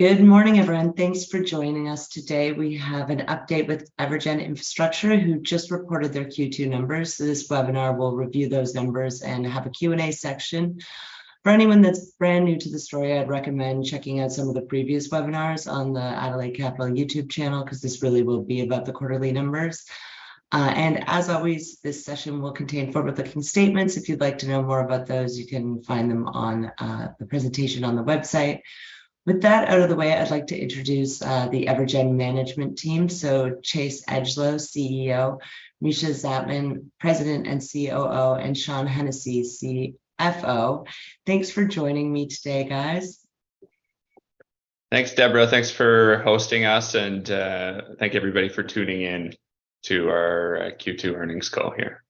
Good morning, everyone. Thanks for joining us today. We have an update with EverGen Infrastructure, who just reported their Q2 numbers. This webinar will review those numbers and have a Q&A section. For anyone that's brand new to the story, I'd recommend checking out some of the previous webinars on the Adelaide Capital YouTube channel, 'cause this really will be about the quarterly numbers. And as always, this session will contain forward-looking statements. If you'd like to know more about those, you can find them on the presentation on the website. With that out of the way, I'd like to introduce the EverGen management team. So Chase Edgelow, CEO; Mischa Zajtmann, President and COO; and Sean Hennessy, CFO. Thanks for joining me today, guys. Thanks, Deborah. Thanks for hosting us, and thank everybody for tuning in to our Q2 earnings call here.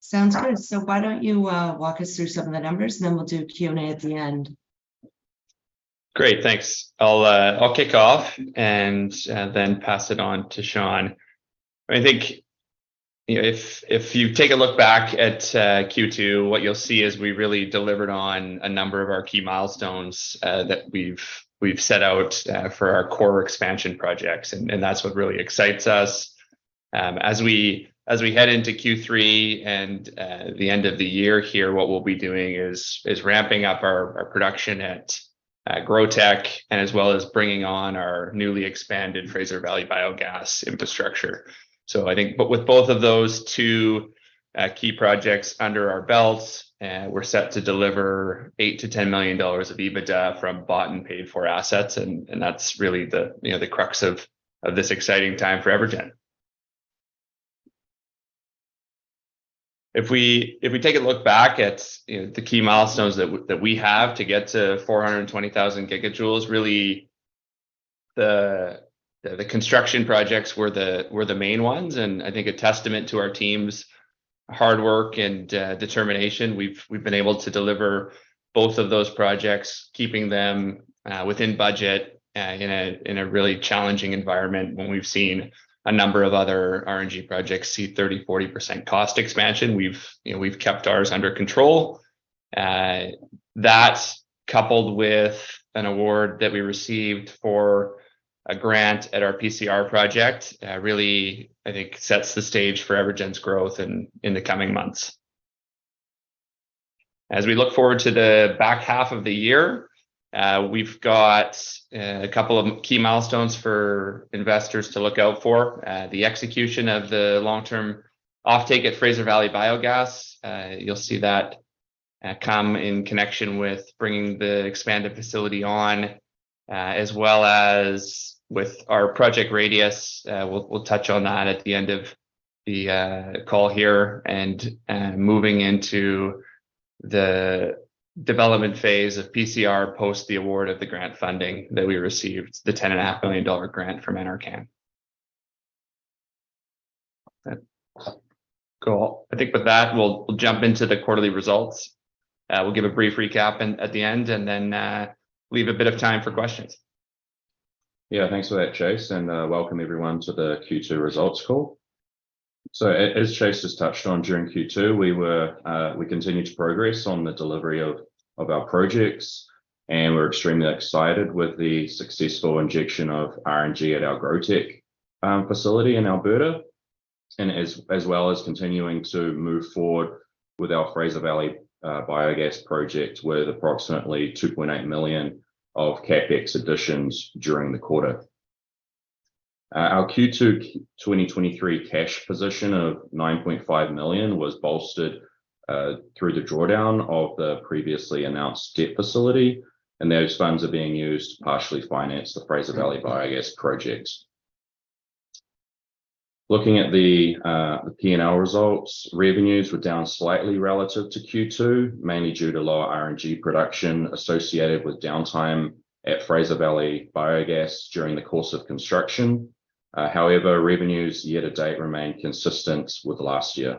Sounds good. So why don't you walk us through some of the numbers, and then we'll do a Q&A at the end. Great, thanks. I'll kick off and then pass it on to Sean. I think if you take a look back at Q2, what you'll see is we really delivered on a number of our key milestones that we've set out for our core expansion projects, and that's what really excites us. As we head into Q3 and the end of the year here, what we'll be doing is ramping up our production at GrowTEC, and as well as bringing on our newly expanded Fraser Valley Biogas infrastructure. So I think... But with both of those two key projects under our belt, we're set to deliver $8 million-$10 million of EBITDA from bought and paid for assets, and that's really the, you know, the crux of this exciting time for EverGen. If we take a look back at, you know, the key milestones that we have to get to 420,000 gigajoules, really the construction projects were the main ones, and I think a testament to our team's hard work and determination. We've been able to deliver both of those projects, keeping them within budget in a really challenging environment. When we've seen a number of other RNG projects see 30%-40% cost expansion, you know, we've kept ours under control. That, coupled with an award that we received for a grant at our PCR project, really, I think, sets the stage for EverGen's growth in the coming months. As we look forward to the back half of the year, we've got a couple of key milestones for investors to look out for. The execution of the long-term offtake at Fraser Valley Biogas, you'll see that come in connection with bringing the expanded facility on, as well as with our Project Radius. We'll, we'll touch on that at the end of the call here and, and moving into the development phase of PCR, post the award of the grant funding that we received, the $10.5 million grant from NRCan. Cool. I think with that, we'll, we'll jump into the quarterly results. We'll give a brief recap at the end, and then leave a bit of time for questions. Yeah. Thanks for that, Chase, and welcome everyone to the Q2 results call. So as Chase just touched on, during Q2, we continued to progress on the delivery of our projects, and we're extremely excited with the successful injection of RNG at our GrowTEC facility in Alberta, and as well as continuing to move forward with our Fraser Valley Biogas project, with approximately $2.8 million of CapEx additions during the quarter. Our Q2 2023 cash position of $9.5 million was bolstered through the drawdown of the previously announced debt facility, and those funds are being used to partially finance the Fraser Valley Biogas project. Looking at the P&L results, revenues were down slightly relative to Q2, mainly due to lower RNG production associated with downtime at Fraser Valley Biogas during the course of construction. However, revenues year to date remain consistent with last year.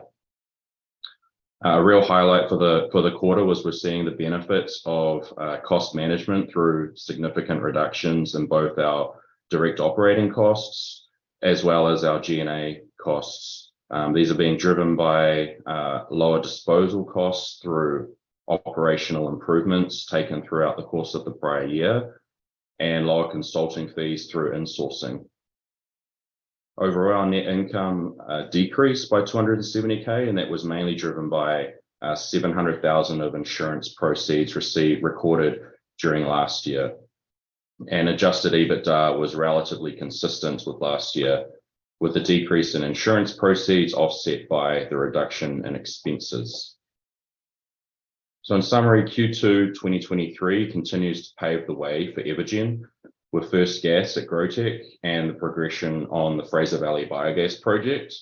A real highlight for the quarter was we're seeing the benefits of cost management through significant reductions in both our direct operating costs as well as our G&A costs. These are being driven by lower disposal costs through operational improvements taken throughout the course of the prior year and lower consulting fees through insourcing. Overall, net income decreased by $270,000, and that was mainly driven by 700,000 of insurance proceeds received-recorded during last year. Adjusted EBITDA was relatively consistent with last year, with the decrease in insurance proceeds offset by the reduction in expenses. In summary, Q2 2023 continues to pave the way for EverGen with first gas at GrowTEC and the progression on the Fraser Valley Biogas project,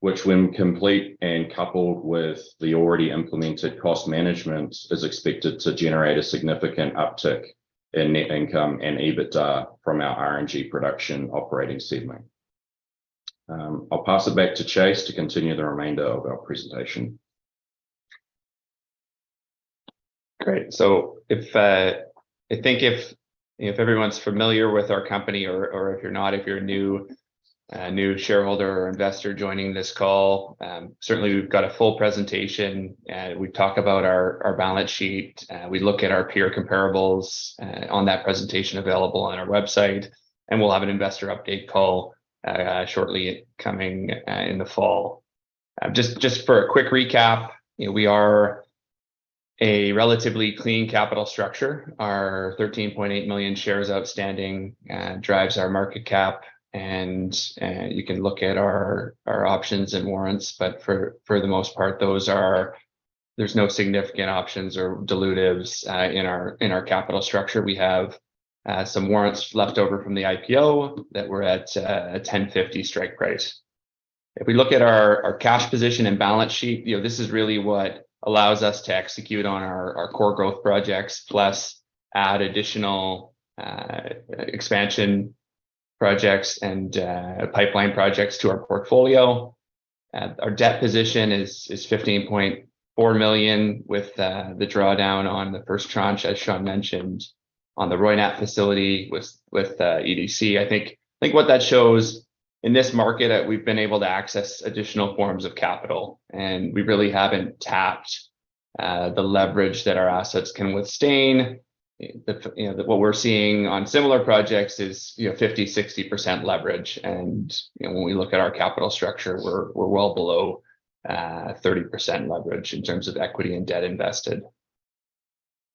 which, when complete and coupled with the already implemented cost management, is expected to generate a significant uptick in net income and EBITDA from our RNG production operating segment. I'll pass it back to Chase to continue the remainder of our presentation. Great. So if I think if everyone's familiar with our company or if you're not, if you're new, a new shareholder or investor joining this call, certainly we've got a full presentation, and we talk about our balance sheet, we look at our peer comparables on that presentation available on our website, and we'll have an investor update call shortly coming in the fall. Just for a quick recap, you know, we are a relatively clean capital structure. Our 13.8 million shares outstanding drives our market cap, and you can look at our options and warrants, but for the most part, those are... There's no significant options or dilutives in our capital structure. We have some warrants left over from the IPO that were at a $10.50 strike price. If we look at our cash position and balance sheet, you know, this is really what allows us to execute on our core growth projects, plus add additional expansion projects and pipeline projects to our portfolio. Our debt position is $15.4 million, with the drawdown on the first tranche, as Sean mentioned, on the Roynat facility with EDC. I think what that shows in this market, that we've been able to access additional forms of capital, and we really haven't tapped the leverage that our assets can withstand. You know, what we're seeing on similar projects is, you know, 50%-60% leverage, and, you know, when we look at our capital structure, we're, we're well below 30% leverage in terms of equity and debt invested.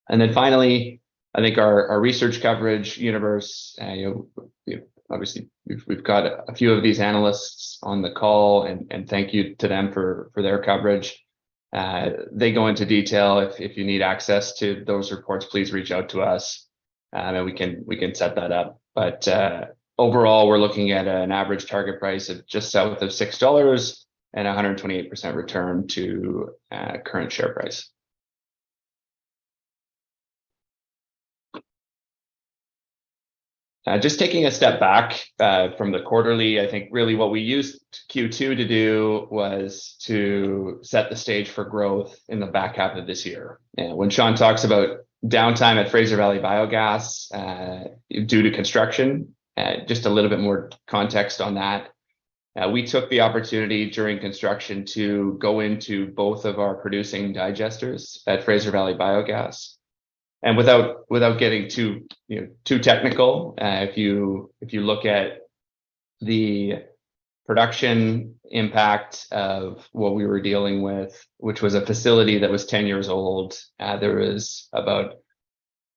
And then finally, I think our, our research coverage universe, you know, you know, obviously, we've, we've got a few of these analysts on the call, and, and thank you to them for, for their coverage. They go into detail. If, if you need access to those reports, please reach out to us, and we can, we can set that up. But, overall, we're looking at an average target price of just south of $6 and a 128% return to current share price. Just taking a step back, from the quarterly, I think really what we used Q2 to do was to set the stage for growth in the back half of this year. And when Sean talks about downtime at Fraser Valley Biogas, due to construction, just a little bit more context on that. We took the opportunity during construction to go into both of our producing digesters at Fraser Valley Biogas. And without getting too, you know, too technical, if you look at the production impact of what we were dealing with, which was a facility that was 10 years old, there was about...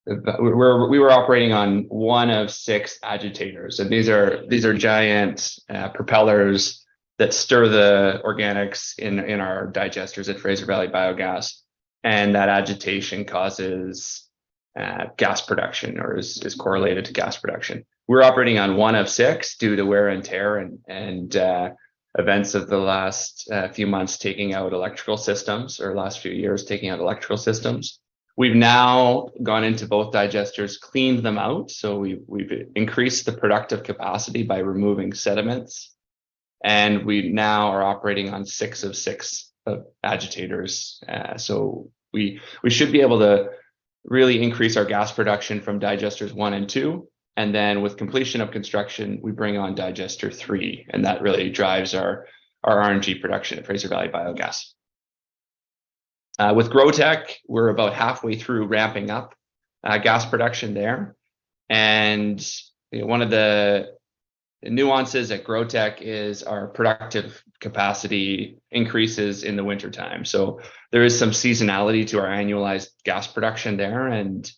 We're, we were operating on one of six agitators, and these are giant propellers that stir the organics in our digesters at Fraser Valley Biogas, and that agitation causes gas production, or is correlated to gas production. We're operating on one of six due to wear and tear and events of the last few months, taking out electrical systems, or last few years, taking out electrical systems. We've now gone into both digesters, cleaned them out, so we've increased the productive capacity by removing sediments, and we now are operating on six of six agitators. So we should be able to really increase our gas production from digesters one and two, and then with completion of construction, we bring on digester three, and that really drives our RNG production at Fraser Valley Biogas. With GrowTEC, we're about halfway through ramping up gas production there. And, you know, one of the nuances at GrowTEC is our productive capacity increases in the wintertime. So there is some seasonality to our annualized gas production there, and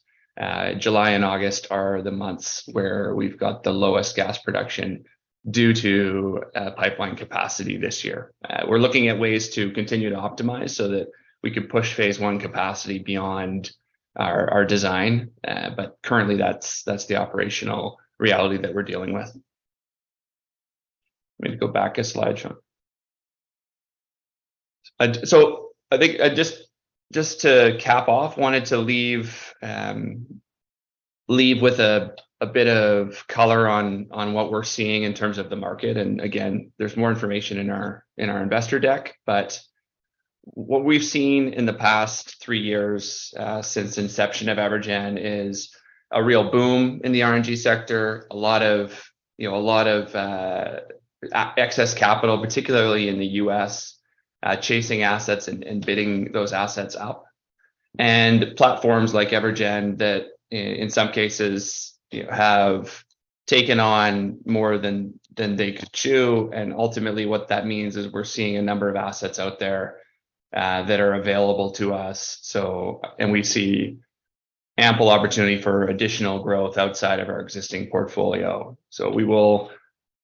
July and August are the months where we've got the lowest gas production due to pipeline capacity this year. We're looking at ways to continue to optimize, so that we can push phase I capacity beyond our design, but currently, that's the operational reality that we're dealing with. Let me go back a slide, Sean. So I think, just to cap off, wanted to leave with a bit of color on what we're seeing in terms of the market, and again, there's more information in our investor deck. But what we've seen in the past three years, since inception of EverGen is a real boom in the RNG sector. A lot of, you know, a lot of, excess capital, particularly in the U.S., chasing assets and, and bidding those assets out. And platforms like EverGen that in some cases, you know, have taken on more than they could chew, and ultimately, what that means is we're seeing a number of assets out there, that are available to us. So... And we see ample opportunity for additional growth outside of our existing portfolio. So we will,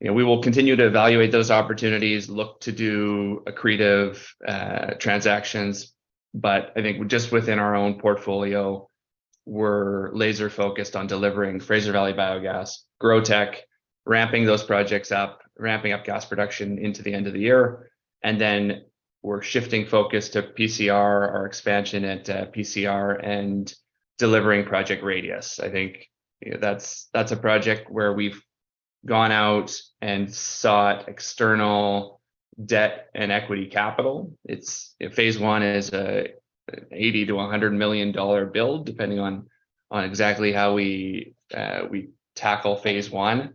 you know, we will continue to evaluate those opportunities, look to do accretive transactions, but I think just within our own portfolio, we're laser-focused on delivering Fraser Valley Biogas, GrowTEC, ramping those projects up, ramping up gas production into the end of the year, and then we're shifting focus to PCR, our expansion at PCR and delivering Project Radius. I think, you know, that's a project where we've gone out and sought external debt and equity capital. It's phase I is a $80 million-$100 million build, depending on exactly how we tackle phase I.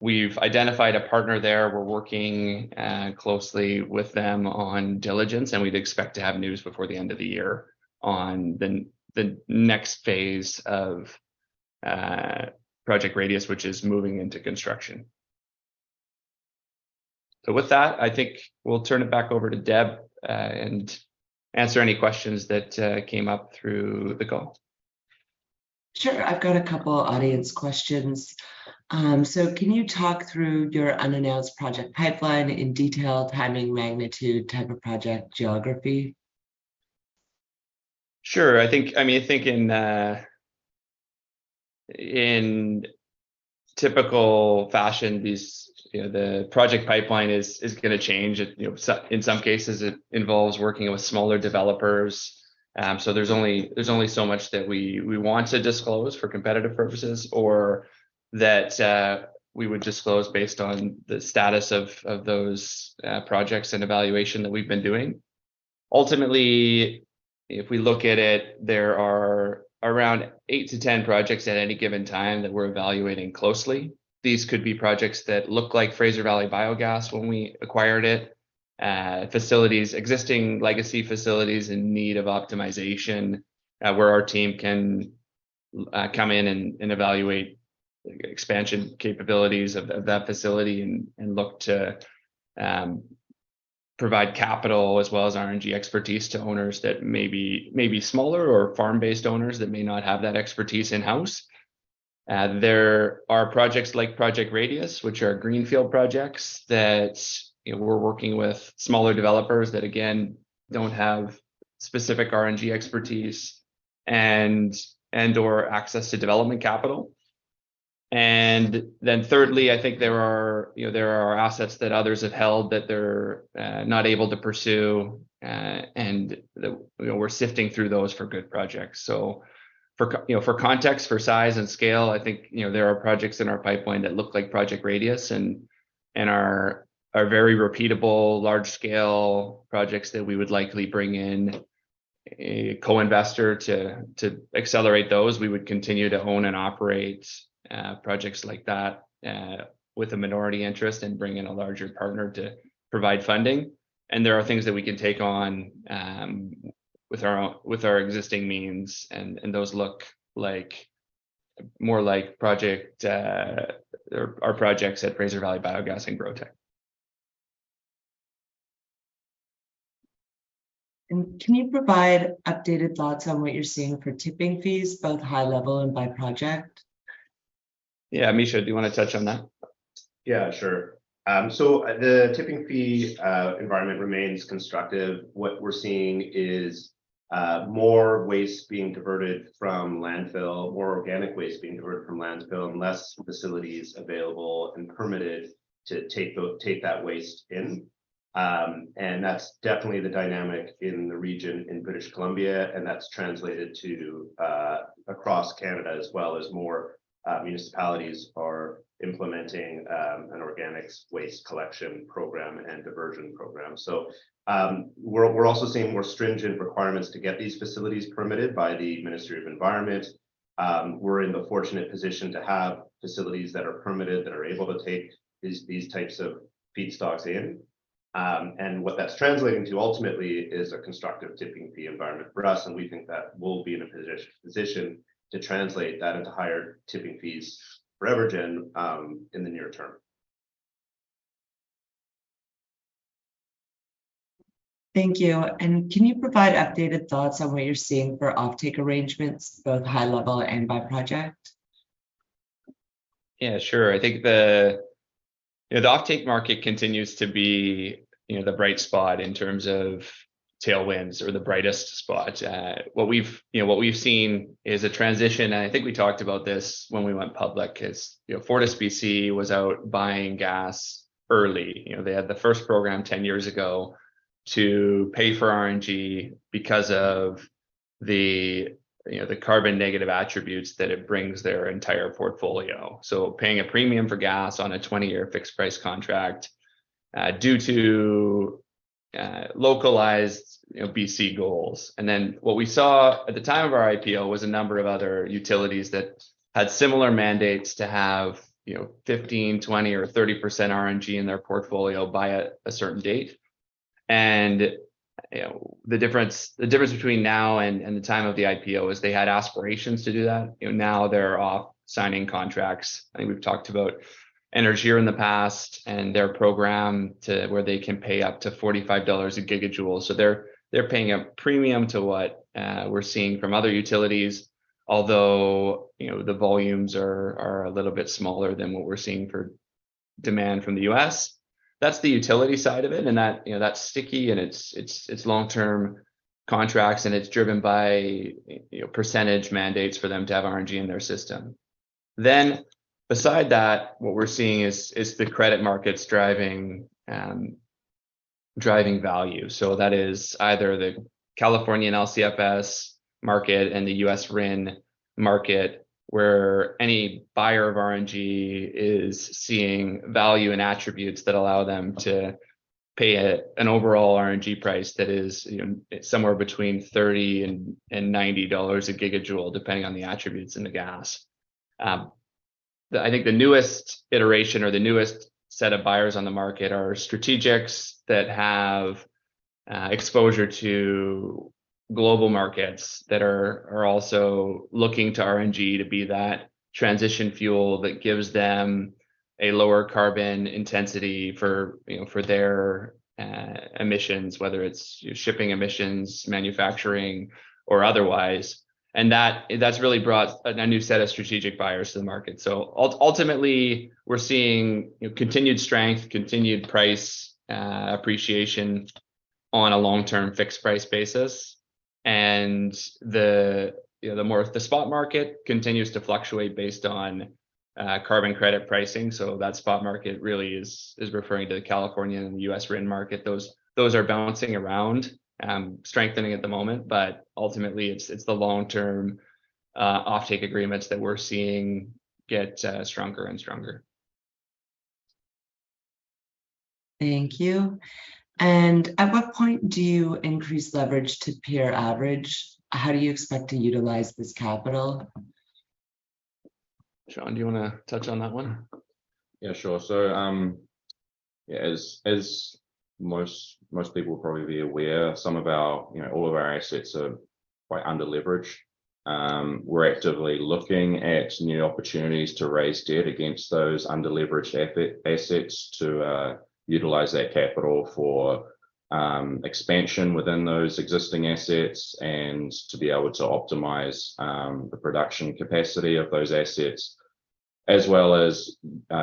We've identified a partner there. We're working closely with them on diligence, and we'd expect to have news before the end of the year on the next phase of Project Radius, which is moving into construction. So with that, I think we'll turn it back over to Deb and answer any questions that came up through the call. Sure. I've got a couple of audience questions. So, can you talk through your unannounced project pipeline in detail, timing, magnitude, type of project, geography? Sure, I think, I mean, I think in, in typical fashion, these, you know, the project pipeline is, is gonna change. It, you know, so in some cases, it involves working with smaller developers. So there's only, there's only so much that we, we want to disclose for competitive purposes, or that, we would disclose based on the status of, of those, projects and evaluation that we've been doing. Ultimately, if we look at it, there are around eight to 10 projects at any given time that we're evaluating closely. These could be projects that look like Fraser Valley Biogas when we acquired it. Facilities, existing legacy facilities in need of optimization, where our team can come in and evaluate expansion capabilities of that facility and look to provide capital, as well as RNG expertise to owners that may be smaller or farm-based owners that may not have that expertise in-house. There are projects like Project Radius, which are greenfield projects that, you know, we're working with smaller developers that, again, don't have specific RNG expertise and/or access to development capital. And then thirdly, I think there are, you know, there are assets that others have held that they're not able to pursue, and that, you know, we're sifting through those for good projects. So for context, you know, for size and scale, I think, you know, there are projects in our pipeline that look like Project Radius and are very repeatable, large-scale projects that we would likely bring in a co-investor to accelerate those. We would continue to own and operate projects like that with a minority interest and bring in a larger partner to provide funding. And there are things that we can take on with our own- with our existing means, and those look like more like project or our projects at Fraser Valley Biogas and GrowTEC. Can you provide updated thoughts on what you're seeing for tipping fees, both high level and by project? Yeah. Mischa, do you want to touch on that? Yeah, sure. So the tipping fee environment remains constructive. What we're seeing is more waste being diverted from landfill, more organic waste being diverted from landfill, and less facilities available and permitted to take that waste in. And that's definitely the dynamic in the region in British Columbia, and that's translated to across Canada, as well, as more municipalities are implementing an organics waste collection program and diversion program. So, we're also seeing more stringent requirements to get these facilities permitted by the Ministry of Environment. We're in the fortunate position to have facilities that are permitted, that are able to take these types of feedstocks in. And what that's translating to ultimately is a constructive tipping fee environment for us, and we think that we'll be in a position to translate that into higher tipping fees for EverGen, in the near term. Thank you. And can you provide updated thoughts on what you're seeing for offtake arrangements, both high-level and by project? Yeah, sure. I think the, you know, the offtake market continues to be, you know, the bright spot in terms of tailwinds or the brightest spot. What we've, you know, what we've seen is a transition, and I think we talked about this when we went public. 'Cause, you know, FortisBC was out buying gas early. You know, they had the first program 10 years ago to pay for RNG because of the, you know, the carbon-negative attributes that it brings their entire portfolio. So paying a premium for gas on a 20-year fixed-price contract, due to, localized, you know, BC goals. And then what we saw at the time of our IPO was a number of other utilities that had similar mandates to have, you know, 15%, 20%, or 30% RNG in their portfolio by a, a certain date. You know, the difference, the difference between now and the time of the IPO is they had aspirations to do that, you know, now they're off signing contracts. I think we've talked about RNG in the past and their program to, where they can pay up to $45 a gigajoule. So they're paying a premium to what we're seeing from other utilities, although, you know, the volumes are a little bit smaller than what we're seeing for demand from the U.S. That's the utility side of it, and that, you know, that's sticky and it's long-term contracts, and it's driven by, you know, percentage mandates for them to have RNG in their system. Then beside that, what we're seeing is the credit markets driving value. So that is either the California LCFS market and the U.S. RIN market, where any buyer of RNG is seeing value and attributes that allow them to pay at an overall RNG price that is, you know, somewhere between $30-$90 a gigajoule, depending on the attributes in the gas. I think the newest iteration or the newest set of buyers on the market are strategics that have exposure to global markets that are also looking to RNG to be that transition fuel that gives them a lower carbon intensity for, you know, for their emissions, whether it's shipping emissions, manufacturing, or otherwise. And that's really brought a new set of strategic buyers to the market. So ultimately, we're seeing continued strength, continued price appreciation on a long-term fixed-price basis. And the, you know, the more... The spot market continues to fluctuate based on carbon credit pricing, so that spot market really is referring to the California and U.S.-wide market. Those are bouncing around, strengthening at the moment, but ultimately, it's the long-term offtake agreements that we're seeing get stronger and stronger. Thank you. And at what point do you increase leverage to peer average? How do you expect to utilize this capital? Sean, do you wanna touch on that one? Yeah, sure. So, yeah, as most people will probably be aware, some of our, you know, all of our assets are quite under-leveraged. We're actively looking at new opportunities to raise debt against those under-leveraged assets to utilize that capital for expansion within those existing assets, and to be able to optimize the production capacity of those assets, as well as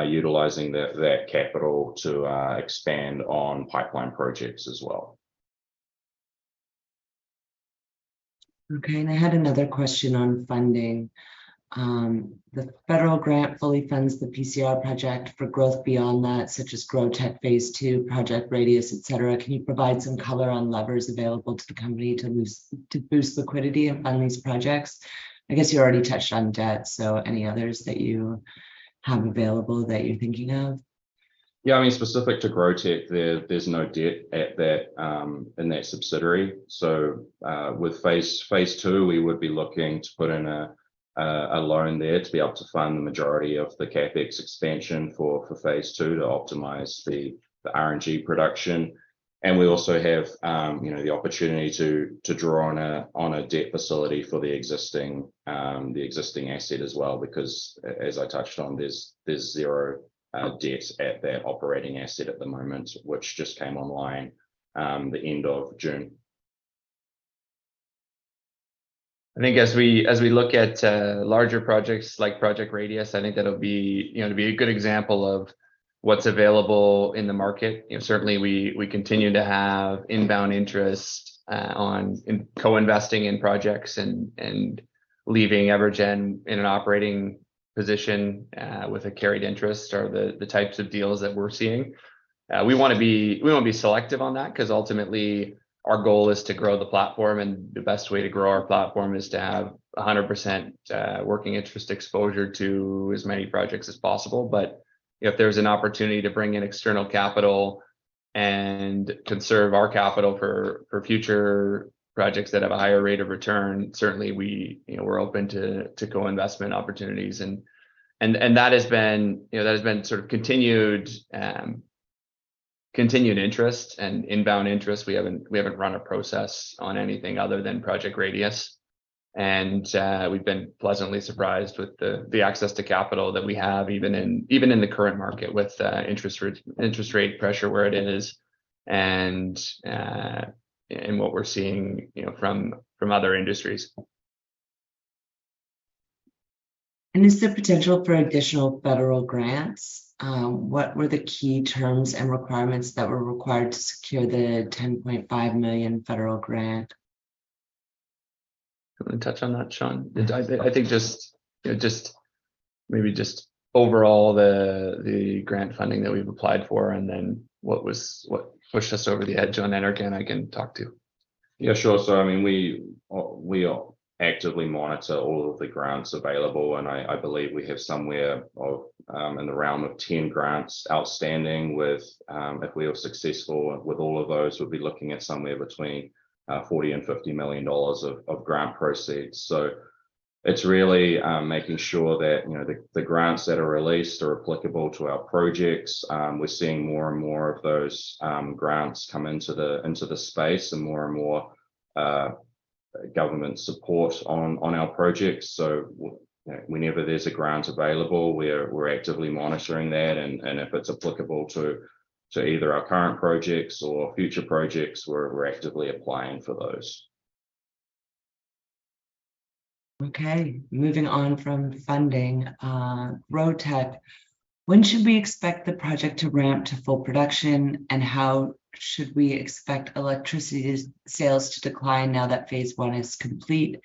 utilizing that capital to expand on pipeline projects as well. Okay, and I had another question on funding. The federal grant fully funds the PCR project. For growth beyond that, such as GrowTEC phase II, Project Radius, et cetera, can you provide some color on levers available to the company to boost liquidity and fund these projects? I guess you already touched on debt, so any others that you have available that you're thinking of? Yeah, I mean, specific to GrowTEC, there's no debt at that in that subsidiary. So, with phase II, we would be looking to put in a loan there to be able to fund the majority of the CapEx expansion for phase II to optimize the RNG production. And we also have, you know, the opportunity to draw on a debt facility for the existing asset as well, because as I touched on, there's zero debt at that operating asset at the moment, which just came online, the end of June. I think as we look at larger projects like Project Radius, I think that'll be, you know, it'll be a good example of what's available in the market. You know, certainly we continue to have inbound interest in co-investing in projects and leaving EverGen in an operating position with a carried interest are the types of deals that we're seeing. We wanna be selective on that, 'cause ultimately, our goal is to grow the platform, and the best way to grow our platform is to have 100% working interest exposure to as many projects as possible. But if there's an opportunity to bring in external capital and conserve our capital for future projects that have a higher rate of return, certainly, we, you know, we're open to co-investment opportunities. That has been, you know, that has been sort of continued interest and inbound interest. We haven't run a process on anything other than Project Radius. We've been pleasantly surprised with the access to capital that we have, even in the current market, with interest rate pressure where it is, and what we're seeing, you know, from other industries. Is there potential for additional federal grants? What were the key terms and requirements that were required to secure the $10.5 million federal grant? You wanna touch on that, Sean? I think just, yeah, just maybe overall, the grant funding that we've applied for, and then what pushed us over the edge on that. Again, I can talk, too. Yeah, sure. So I mean, we, we actively monitor all of the grants available, and I, I believe we have somewhere of, in the realm of 10 grants outstanding with, if we are successful with all of those, we'll be looking at somewhere between, $40 million and $50 million of, of grant proceeds. So it's really, making sure that, you know, the, the grants that are released are applicable to our projects. We're seeing more and more of those, grants come into the, into the space, and more and more, government support on, on our projects. So whenever there's a grant available, we're actively monitoring that, and, and if it's applicable to, to either our current projects or future projects, we're, we're actively applying for those. Okay, moving on from funding. GrowTEC, when should we expect the project to ramp to full production, and how should we expect electricity sales to decline now that phase I is complete?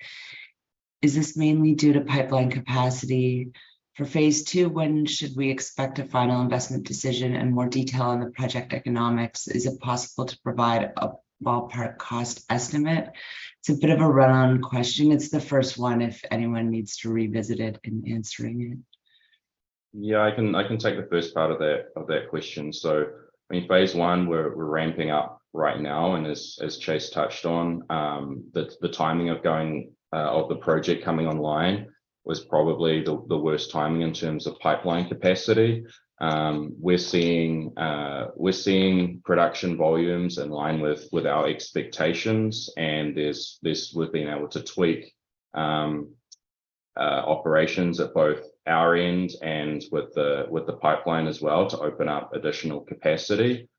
Is this mainly due to pipeline capacity? For phase II, when should we expect a final investment decision and more detail on the project economics? Is it possible to provide a ballpark cost estimate? It's a bit of a run-on question. It's the first one, if anyone needs to revisit it in answering it.... Yeah, I can take the first part of that question. So, I mean, phase I, we're ramping up right now, and as Chase touched on, the timing of going of the project coming online was probably the worst timing in terms of pipeline capacity. We're seeing production volumes in line with our expectations, and there's this, we've been able to tweak operations at both our end and with the pipeline as well to open up additional capacity.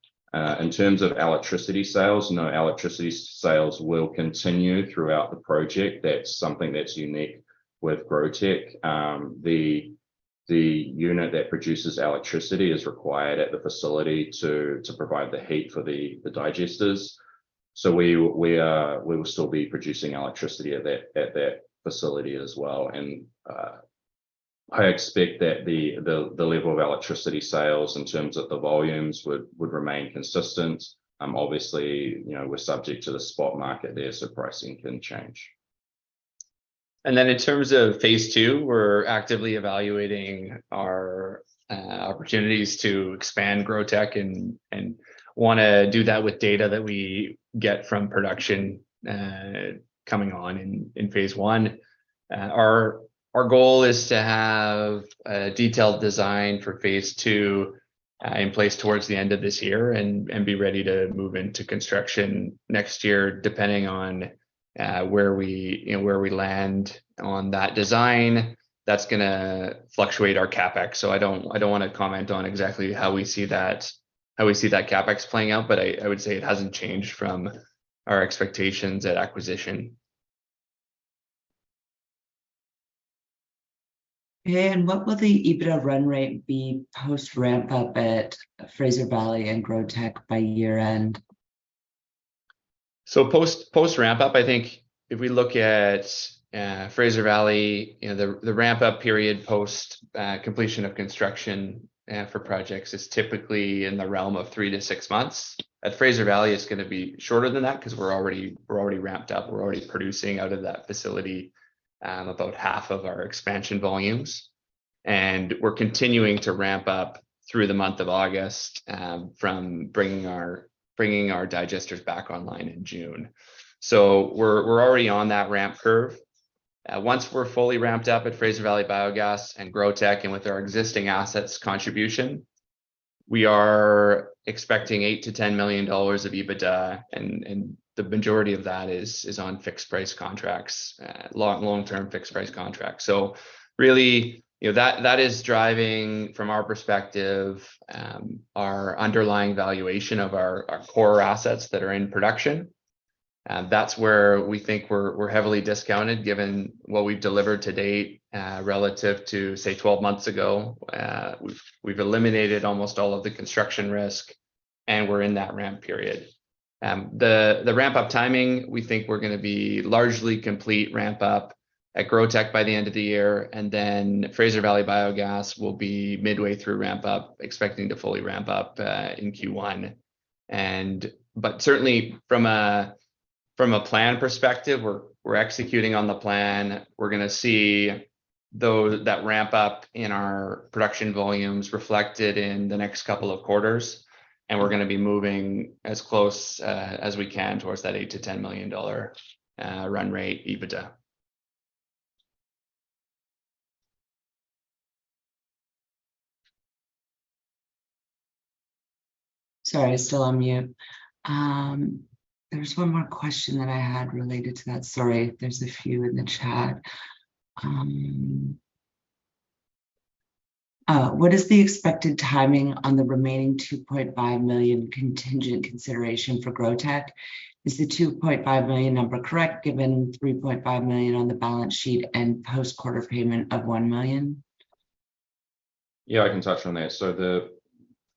In terms of electricity sales, no, electricity sales will continue throughout the project. That's something that's unique with GrowTEC. The unit that produces electricity is required at the facility to provide the heat for the digesters. So we will still be producing electricity at that facility as well. And I expect that the level of electricity sales in terms of the volumes would remain consistent. Obviously, you know, we're subject to the spot market there, so pricing can change. And then in terms of phase II, we're actively evaluating our opportunities to expand GrowTEC and wanna do that with data that we get from production coming on in phase I. Our goal is to have a detailed design for phase II in place towards the end of this year, and be ready to move into construction next year, depending on where we, you know, where we land on that design. That's gonna fluctuate our CapEx. So I don't want to comment on exactly how we see that, how we see that CapEx playing out, but I would say it hasn't changed from our expectations at acquisition. Okay, and what will the EBITDA run rate be post-ramp-up at Fraser Valley and GrowTEC by year-end? So post, post-ramp-up, I think if we look at, Fraser Valley, you know, the, the ramp-up period post, completion of construction, for projects is typically in the realm of three to six months. At Fraser Valley, it's gonna be shorter than that because we're already- we're already ramped up, we're already producing out of that facility, about half of our expansion volumes. And we're continuing to ramp up through the month of August, from bringing our, bringing our digesters back online in June. So we're, we're already on that ramp curve. Once we're fully ramped up at Fraser Valley Biogas and GrowTEC, and with our existing assets contribution, we are expecting $8 million-$10 million of EBITDA, and, and the majority of that is, is on fixed price contracts, long, long-term fixed price contracts. So really, you know, that, that is driving, from our perspective, our underlying valuation of our, our core assets that are in production. And that's where we think we're, we're heavily discounted, given what we've delivered to date, relative to, say, 12 months ago. We've, we've eliminated almost all of the construction risk, and we're in that ramp period. The, the ramp-up timing, we think we're gonna be largely complete ramp-up at GrowTEC by the end of the year, and then Fraser Valley Biogas will be midway through ramp-up, expecting to fully ramp up in Q1. But certainly from a, from a plan perspective, we're, we're executing on the plan. We're gonna see, though, that ramp up in our production volumes reflected in the next couple of quarters, and we're gonna be moving as close as we can towards that $8 million-$10 million run rate EBITDA. Sorry, I was still on mute. There's one more question that I had related to that. Sorry, there's a few in the chat. What is the expected timing on the remaining $2.5 million contingent consideration for GrowTEC? Is the $2.5 million number correct, given $3.5 million on the balance sheet and post-quarter payment of $1 million? Yeah, I can touch on that. So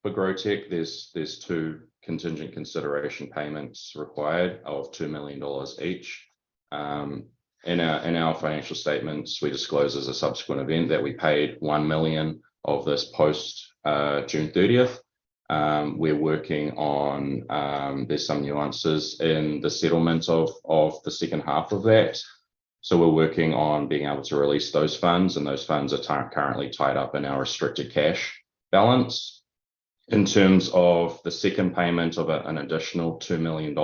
the, for GrowTEC, there are two contingent consideration payments required of $2 million each. In our financial statements, we disclose as a subsequent event that we paid $1 million of this post June 30. We're working on... There are some nuances in the settlement of the second half of that. So we're working on being able to release those funds, and those funds are currently tied up in our restricted cash balance. In terms of the second payment of an additional $2 million,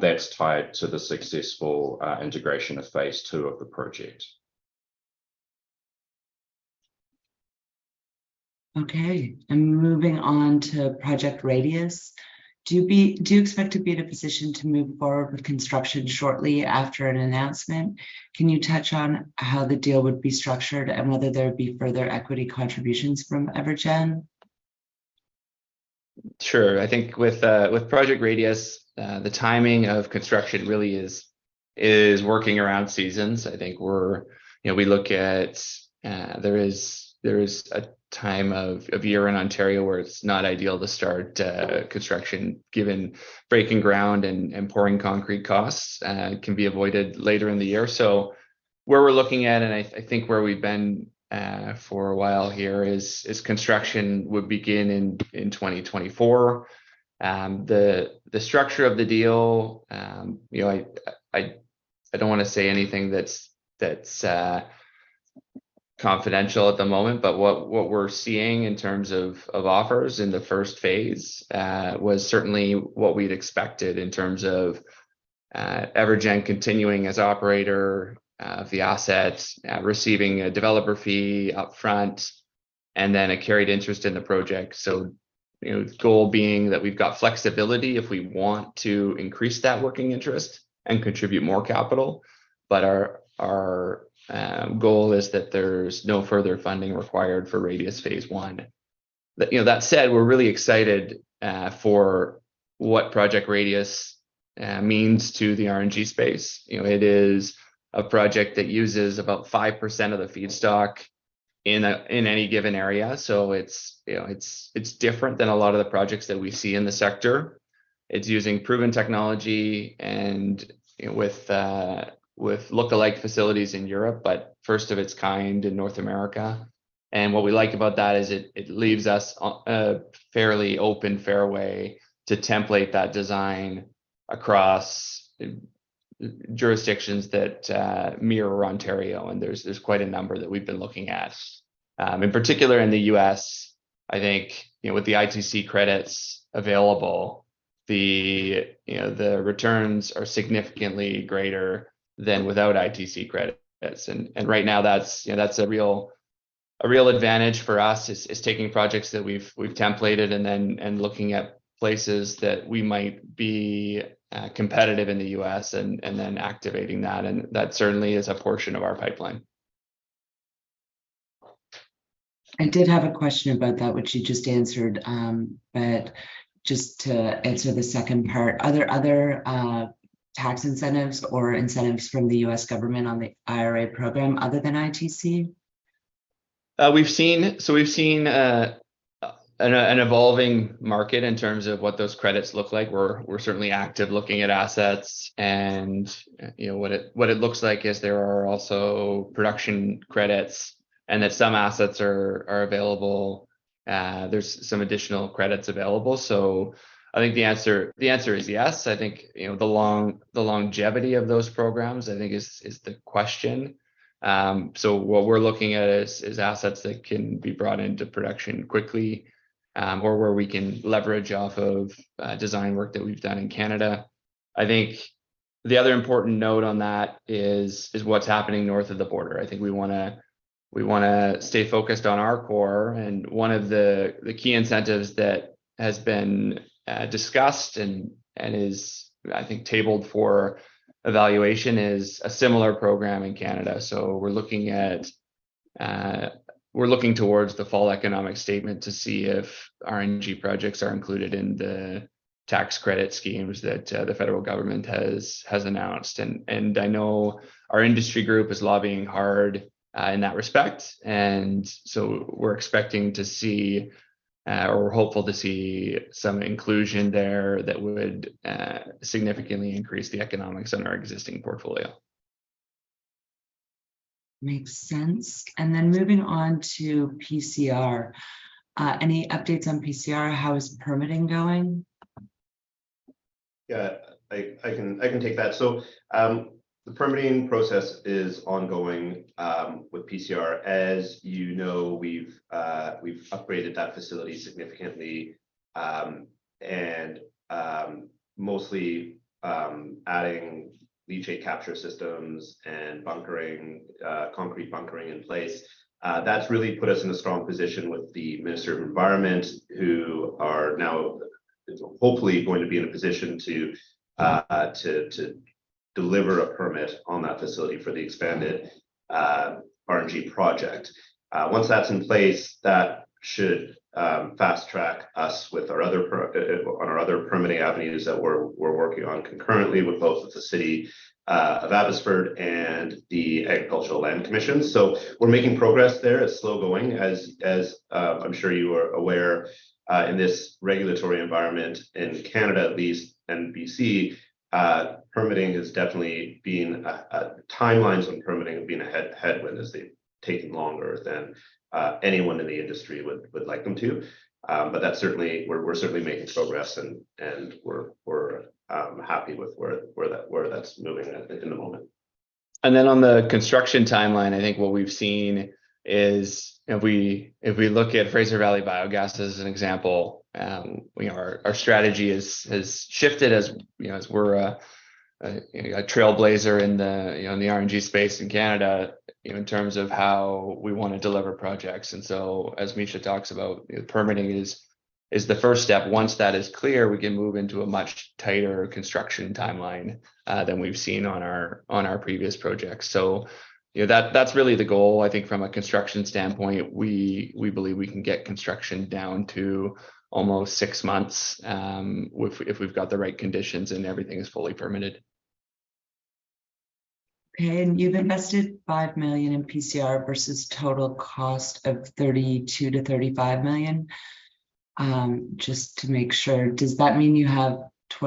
that's tied to the successful integration of phase II of the project. Okay, and moving on to Project Radius. Do you expect to be in a position to move forward with construction shortly after an announcement? Can you touch on how the deal would be structured and whether there'd be further equity contributions from EverGen? Sure. I think with, with Project Radius, the timing of construction really is, is working around seasons. I think we're... You know, we look at, there is, there is a time of, of year in Ontario where it's not ideal to start, construction, given breaking ground and, and pouring concrete costs, can be avoided later in the year. So what we're looking at, and I think where we've been, for a while here, is, construction would begin in, 2024. The, the structure of the deal, you know, I-... I don't want to say anything that's confidential at the moment, but what we're seeing in terms of offers in the first phase was certainly what we'd expected in terms of EverGen continuing as operator of the assets, receiving a developer fee upfront, and then a carried interest in the project. So, you know, the goal being that we've got flexibility if we want to increase that working interest and contribute more capital, but our goal is that there's no further funding required for Radius phase I. You know, that said, we're really excited for what Project Radius means to the RNG space. You know, it is a project that uses about 5% of the feedstock in any given area, so it's, you know, it's, it's different than a lot of the projects that we see in the sector. It's using proven technology and with lookalike facilities in Europe, but first of its kind in North America. And what we like about that is it, it leaves us on a fairly open fairway to template that design across jurisdictions that mirror Ontario, and there's, there's quite a number that we've been looking at. In particular in the U.S., I think, you know, with the ITC credits available, the, you know, the returns are significantly greater than without ITC credits. Right now that's, you know, that's a real, a real advantage for us, taking projects that we've templated and then looking at places that we might be competitive in the U.S. and then activating that, and that certainly is a portion of our pipeline. I did have a question about that, which you just answered, but just to add to the second part, are there other tax incentives or incentives from the U.S. government on the IRA program other than ITC? We've seen... So we've seen an evolving market in terms of what those credits look like. We're certainly active looking at assets, and, you know, what it looks like is there are also production credits and that some assets are available. There's some additional credits available. So I think the answer is yes. I think, you know, the longevity of those programs, I think is the question. So what we're looking at is assets that can be brought into production quickly, or where we can leverage off of design work that we've done in Canada. I think the other important note on that is what's happening north of the border. I think we wanna stay focused on our core, and one of the key incentives that has been discussed and is, I think, tabled for evaluation is a similar program in Canada. So we're looking towards the Fall Economic Statement to see if RNG projects are included in the tax credit schemes that the federal government has announced. And I know our industry group is lobbying hard in that respect, and so we're expecting to see, or we're hopeful to see, some inclusion there that would significantly increase the economics on our existing portfolio. Makes sense. And then moving on to PCR. Any updates on PCR? How is permitting going? Yeah, I can take that. So, the permitting process is ongoing with PCR. As you know, we've upgraded that facility significantly, and mostly adding leachate capture systems and bunkering, concrete bunkering in place. That's really put us in a strong position with the Ministry of Environment, who are now hopefully going to be in a position to deliver a permit on that facility for the expanded RNG project. Once that's in place, that should fast-track us with our other permitting avenues that we're working on concurrently, with both the city of Abbotsford and the Agricultural Land Commission. So we're making progress there. It's slow-going, as I'm sure you are aware, in this regulatory environment in Canada, at least, and BC. Permitting has definitely been. Timelines on permitting have been a headwind as they've taken longer than anyone in the industry would like them to. But that's certainly. We're certainly making progress, and we're happy with where that's moving at the moment. And then on the construction timeline, I think what we've seen is, if we look at Fraser Valley Biogas as an example, you know, our strategy has shifted as, you know, as we're a trailblazer in the RNG space in Canada, in terms of how we want to deliver projects. And so, as Mischa talks about, permitting is the first step. Once that is clear, we can move into a much tighter construction timeline than we've seen on our previous projects. So, you know, that's really the goal. I think from a construction standpoint, we believe we can get construction down to almost six months if we've got the right conditions and everything is fully permitted. Okay, and you've invested $5 million in PCR versus total cost of $32 million-$35 million. Just to make sure, does that mean you have $25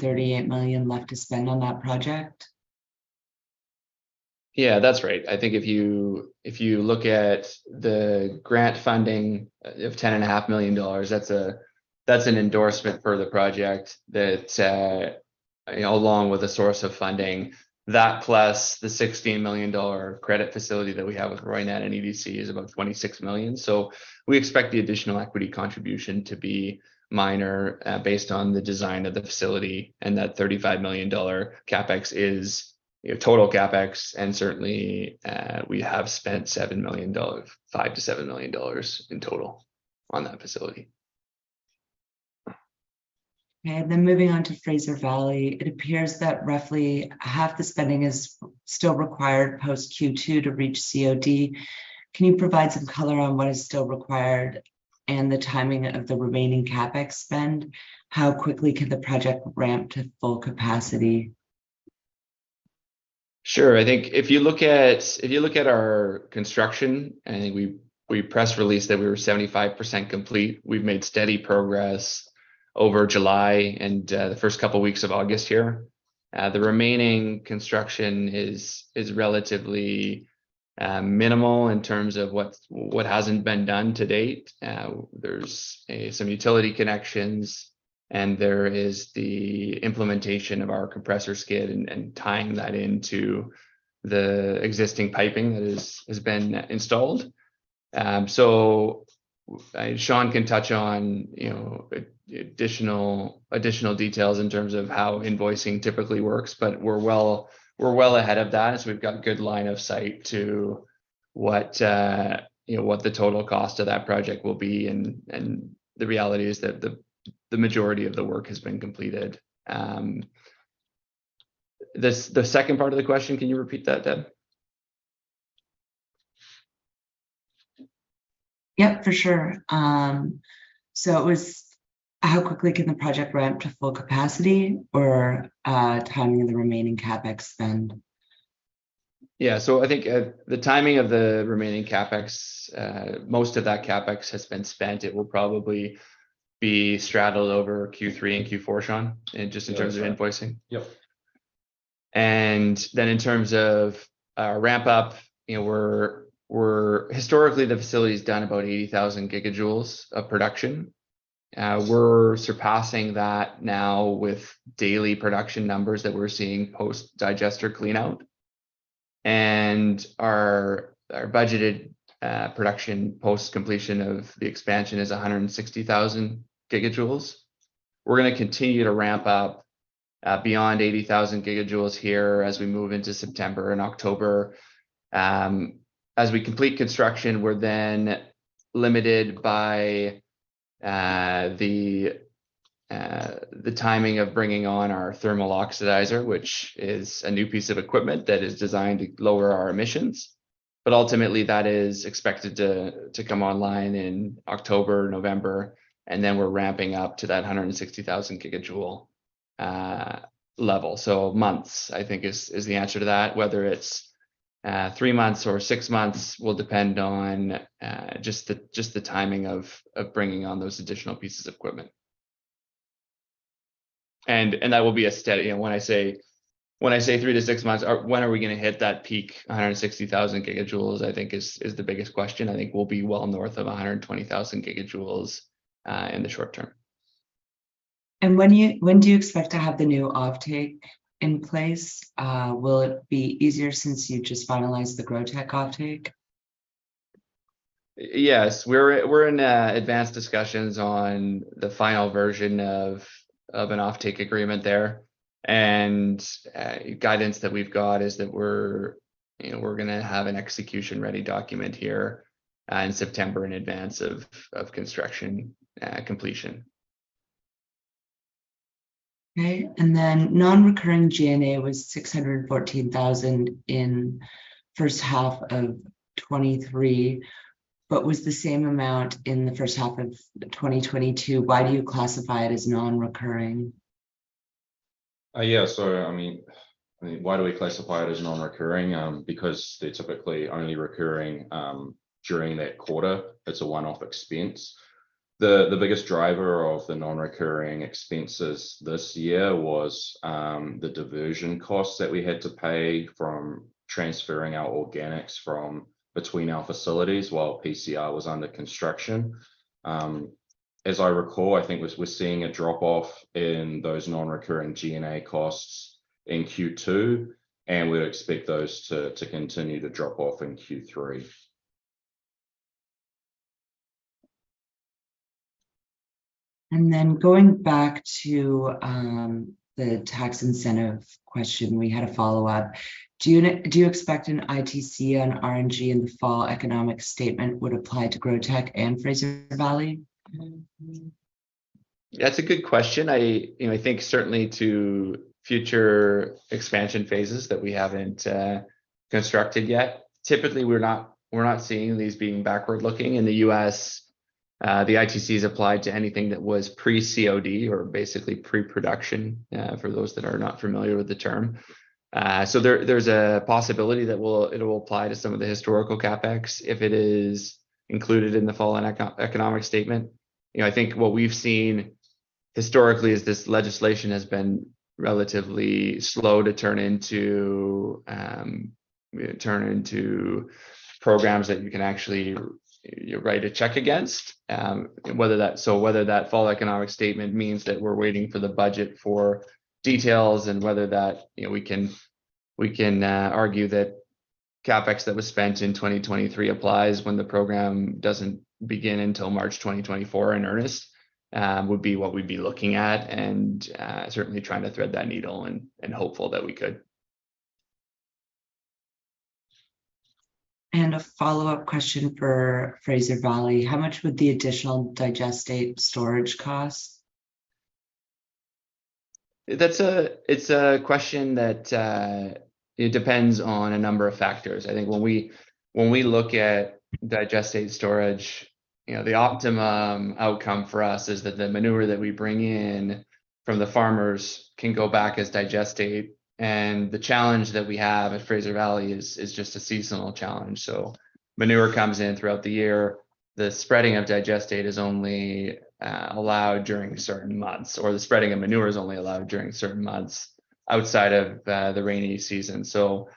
million-$38 million left to spend on that project?... Yeah, that's right. I think if you look at the grant funding of $10.5 million, that's an endorsement for the project that, you know, along with a source of funding. That, plus the $16 million credit facility that we have with Roynat and EDC, is about $26 million. So we expect the additional equity contribution to be minor, based on the design of the facility, and that $35 million CapEx is your total CapEx, and certainly, we have spent $7 million, $5 million-$7 million in total on that facility. Okay, and then moving on to Fraser Valley, it appears that roughly half the spending is still required post Q2 to reach COD. Can you provide some color on what is still required and the timing of the remaining CapEx spend? How quickly can the project ramp to full capacity? Sure. I think if you look at our construction, I think we press released that we were 75% complete. We've made steady progress over July and the first couple weeks of August here. The remaining construction is relatively minimal in terms of what hasn't been done to date. There's some utility connections, and there is the implementation of our compressor skid and tying that into the existing piping that has been installed. So, Sean can touch on, you know, additional details in terms of how invoicing typically works, but we're well ahead of that, as we've got good line of sight to what, you know, what the total cost of that project will be. The reality is that the majority of the work has been completed. The second part of the question, can you repeat that, Deb? Yep, for sure. So, how quickly can the project ramp to full capacity, or timing of the remaining CapEx spend? Yeah. So I think, the timing of the remaining CapEx, most of that CapEx has been spent. It will probably be straddled over Q3 and Q4, Sean, and just in terms of invoicing. Yep. In terms of our ramp up, you know, we're historically, the facility's done about 80,000 gigajoules of production. We're surpassing that now with daily production numbers that we're seeing post-digester cleanout. And our budgeted production post-completion of the expansion is 160,000 gigajoules. We're going to continue to ramp up beyond 80,000 gigajoules here as we move into September and October. As we complete construction, we're then limited by the timing of bringing on our thermal oxidizer, which is a new piece of equipment that is designed to lower our emissions. But ultimately, that is expected to come online in October, November, and then we're ramping up to that 160,000 gigajoule level. So months, I think is the answer to that. Whether it's three months or six months, will depend on just the timing of bringing on those additional pieces of equipment. And that will be a steady... And when I say three to six months, when are we going to hit that peak, 160,000 gigajoules, I think is the biggest question. I think we'll be well north of 120,000 gigajoules in the short term. When do you expect to have the new offtake in place? Will it be easier since you just finalized the GrowTEC offtake? Yes. We're in advanced discussions on the final version of an offtake agreement there. And, guidance that we've got is that we're, you know, going to have an execution-ready document here in September in advance of construction completion. Okay. And then non-recurring G&A was $614,000 in first half of 2023, but was the same amount in the first half of 2022. Why do you classify it as non-recurring? Yeah. So I mean, why do we classify it as non-recurring? Because they're typically only recurring during that quarter. It's a one-off expense. The biggest driver of the non-recurring expenses this year was the diversion costs that we had to pay from transferring our organics from between our facilities while PCR was under construction. As I recall, I think we're seeing a drop-off in those non-recurring G&A costs in Q2, and we'd expect those to continue to drop off in Q3. Then going back to the tax incentive question, we had a follow-up. Do you expect an ITC on RNG in the fall economic statement would apply to GrowTEC and Fraser Valley? That's a good question. I, you know, I think certainly to future expansion phases that we haven't constructed yet. Typically, we're not, we're not seeing these being backward-looking. In the U.S., the ITC is applied to anything that was pre-COD or basically pre-production, for those that are not familiar with the term. So there, there's a possibility that it will apply to some of the historical CapEx if it is included in the fall economic statement. You know, I think what we've seen historically, as this legislation has been relatively slow to turn into turn into programs that you can actually write a check against. So whether that fall economic statement means that we're waiting for the budget for details, and whether that, you know, we can argue that CapEx that was spent in 2023 applies when the program doesn't begin until March 2024 in earnest, would be what we'd be looking at, and certainly trying to thread that needle and hopeful that we could. A follow-up question for Fraser Valley. How much would the additional digestate storage cost? That's, it's a question that, it depends on a number of factors. I think when we, when we look at digestate storage, you know, the optimum outcome for us is that the manure that we bring in from the farmers can go back as digestate. And the challenge that we have at Fraser Valley is just a seasonal challenge. So manure comes in throughout the year. The spreading of digestate is only allowed during certain months, or the spreading of manure is only allowed during certain months outside of the rainy season. So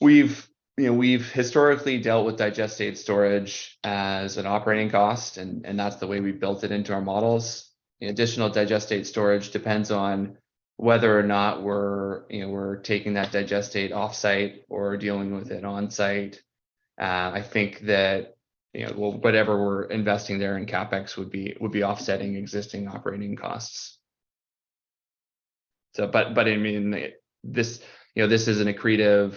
we've, you know, we've historically dealt with digestate storage as an operating cost, and that's the way we built it into our models. Additional digestate storage depends on whether or not we're, you know, we're taking that digestate off-site or dealing with it on-site. I think that, you know, well, whatever we're investing there in CapEx would be, would be offsetting existing operating costs. So, but I mean, this, you know, this is an accretive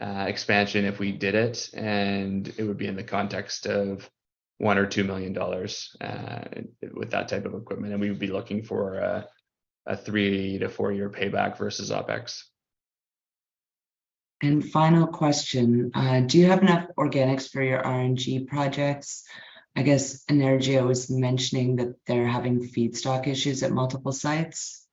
expansion if we did it, and it would be in the context of $1 million or $2 million with that type of equipment, and we would be looking for a three to four year payback versus OpEx. And final question: do you have enough organics for your RNG projects? I guess RNG was mentioning that they're having feedstock issues at multiple sites.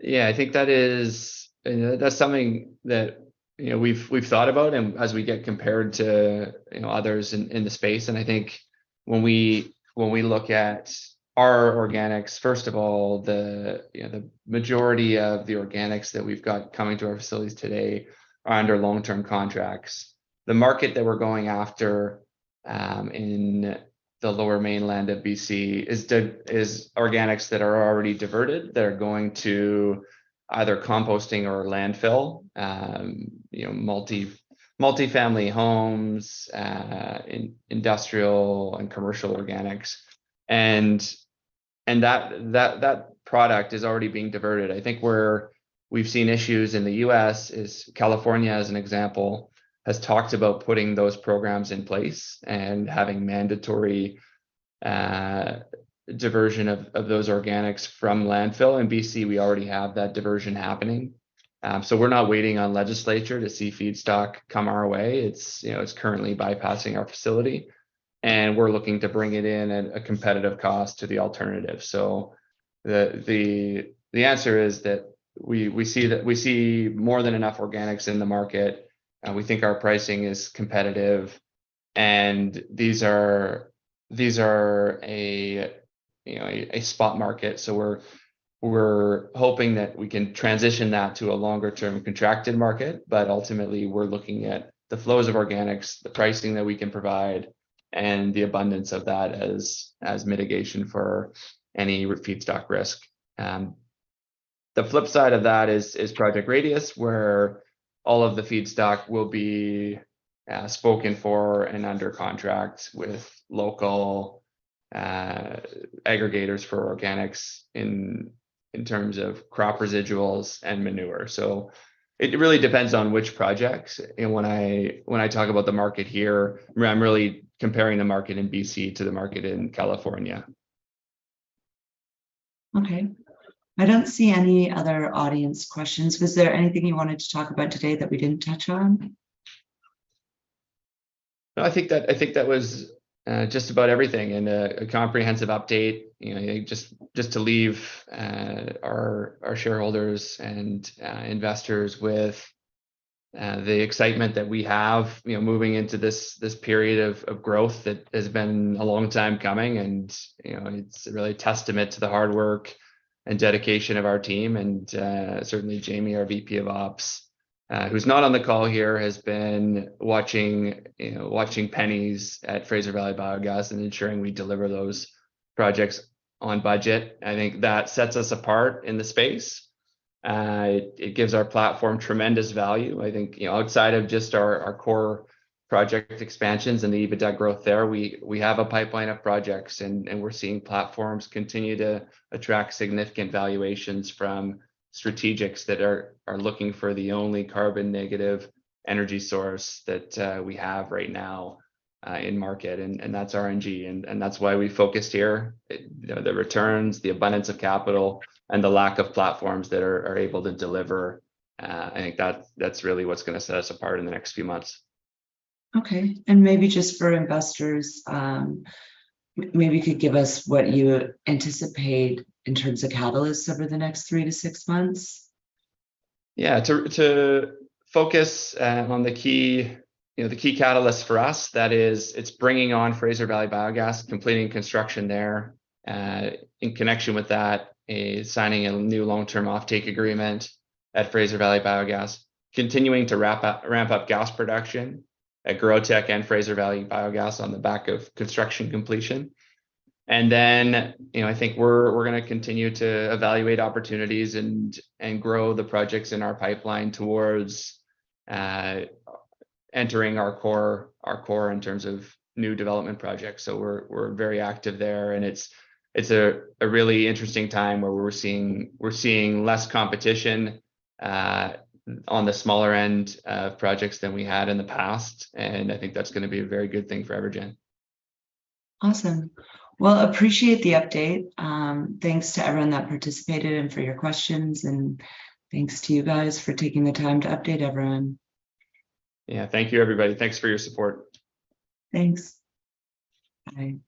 Yeah, I think that is. That's something that, you know, we've thought about and as we get compared to, you know, others in the space. I think when we look at our organics, first of all, you know, the majority of the organics that we've got coming to our facilities today are under long-term contracts. The market that we're going after in the Lower Mainland of BC is organics that are already diverted, that are going to either composting or landfill. You know, multifamily homes, industrial and commercial organics, and that product is already being diverted. I think where we've seen issues in the U.S. is California, as an example, has talked about putting those programs in place and having mandatory diversion of those organics from landfill. In BC, we already have that diversion happening, so we're not waiting on legislature to see feedstock come our way. It's, you know, it's currently bypassing our facility, and we're looking to bring it in at a competitive cost to the alternative. So the answer is that we see more than enough organics in the market, and we think our pricing is competitive, and these are, you know, a spot market. So we're hoping that we can transition that to a longer-term contracted market. But ultimately, we're looking at the flows of organics, the pricing that we can provide, and the abundance of that as mitigation for any feedstock risk. The flip side of that is Project Radius, where all of the feedstock will be spoken for and under contract with local aggregators for organics in terms of crop residuals and manure. So it really depends on which projects, and when I talk about the market here, I'm really comparing the market in BC to the market in California. Okay. I don't see any other audience questions. Was there anything you wanted to talk about today that we didn't touch on? I think that was just about everything, and a comprehensive update. You know, just to leave our shareholders and investors with the excitement that we have, you know, moving into this period of growth that has been a long time coming. You know, it's really a testament to the hard work and dedication of our team and certainly Jamie, our VP of Ops, who's not on the call here, has been watching, you know, watching pennies at Fraser Valley Biogas and ensuring we deliver those projects on budget. I think that sets us apart in the space. It gives our platform tremendous value. I think, you know, outside of just our core project expansions and the EBITDA growth there, we have a pipeline of projects, and we're seeing platforms continue to attract significant valuations from strategics that are looking for the only carbon-negative energy source that we have right now in market, and that's RNG. And that's why we focused here. You know, the returns, the abundance of capital, and the lack of platforms that are able to deliver. I think that's really what's gonna set us apart in the next few months. Okay, and maybe just for investors, maybe you could give us what you anticipate in terms of catalysts over the next three to six months? Yeah. To focus on the key, you know, the key catalyst for us, that is, it's bringing on Fraser Valley Biogas, completing construction there. In connection with that, is signing a new long-term offtake agreement at Fraser Valley Biogas, continuing to ramp up gas production at GrowTEC and Fraser Valley Biogas on the back of construction completion. And then, you know, I think we're gonna continue to evaluate opportunities and grow the projects in our pipeline towards entering our core in terms of new development projects. So we're very active there, and it's a really interesting time where we're seeing less competition on the smaller end of projects than we had in the past, and I think that's gonna be a very good thing for EverGen. Awesome. Well, appreciate the update. Thanks to everyone that participated and for your questions, and thanks to you guys for taking the time to update everyone. Yeah. Thank you, everybody. Thanks for your support. Thanks. Bye.